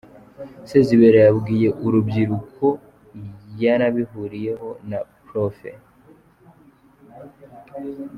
Sezibera yabwiye uru rubyiruko yanabihuriyeho na Prof.